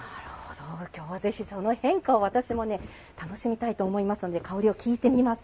きょうは、ぜひその変化を私も楽しみたいと思いますので香りを聞いてみます。